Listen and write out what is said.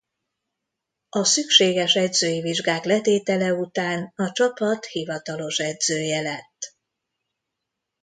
A szükséges edzői vizsgák letétele után a csapat hivatalos edzője lett.